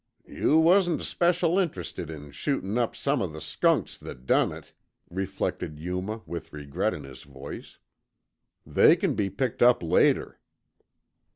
"You wasn't especial interested in shootin' up some of the skunks that done it," reflected Yuma with regret in his voice. "They can be picked up later."